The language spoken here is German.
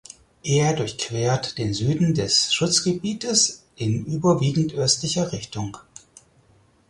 Er durchquert den Süden des Schutzgebietes in überwiegend östlicher Richtung.